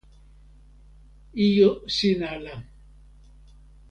ijo sin ala.